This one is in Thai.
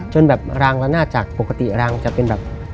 จนแบบรางละนาดจากปกติรางจะเป็นแบบ